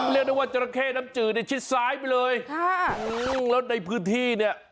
เรียกได้ว่าจราเข้น้ำจืดในชิดซ้ายไปเลยค่ะอืมแล้วในพื้นที่เนี่ย